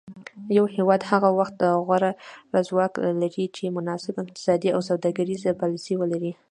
یو هیواد هغه وخت غوره ځواک لري چې مناسب اقتصادي او سوداګریزې پالیسي ولري